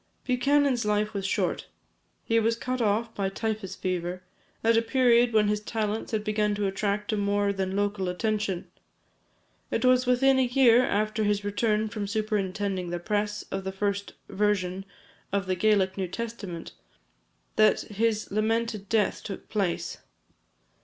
Buchanan's life was short. He was cut off by typhus fever, at a period when his talents had begun to attract a more than local attention. It was within a year after his return from superintending the press of the first version of the Gaelic New Testament, that his lamented death took place.